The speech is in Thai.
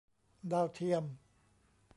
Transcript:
ดาวเทียม